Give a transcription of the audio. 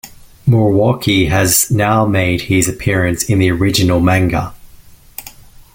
Moriwaki has now made his appearance in the original manga.